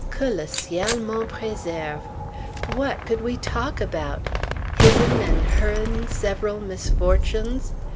Que le ciel m'en préserve! What could we talk about? "His'n" and "her'n" several misfortunes?